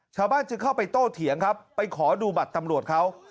ชาวบ้านจึงเข้าไปโต้เถียงครับไปขอดูบัตรตำรวจเขา